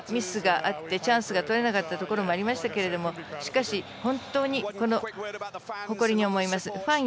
いくつかミスがあってチャンスがとれなかったところもありましたけどしかし、本当に誇りに思います。